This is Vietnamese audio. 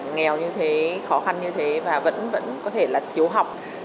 nghèo như thế khó khăn như thế và vẫn vẫn có thể là thiếu học